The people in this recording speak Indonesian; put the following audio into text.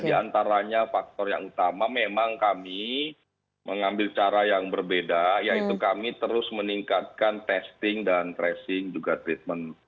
di antaranya faktor yang utama memang kami mengambil cara yang berbeda yaitu kami terus meningkatkan testing dan tracing juga treatment